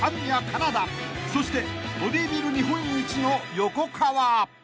金田そしてボディビル日本一の横川］